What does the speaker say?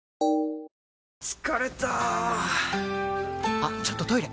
あっちょっとトイレ！